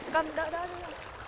cần đợi đợi thôi nhỉ